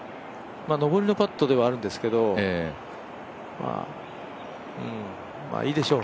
上りのパットではあるんですけど、まあ、いいでしょう。